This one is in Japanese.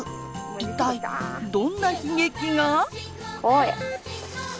一体どんな悲劇が。